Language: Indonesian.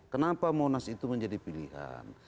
kenapa monas itu menjadi pilihan